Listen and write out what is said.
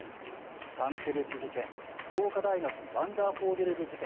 「三毛別事件」「福岡大学ワンダーフォーゲル部事件」。